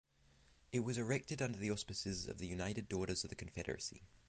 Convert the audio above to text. It was erected under the auspices of the United Daughters of the Confederacy.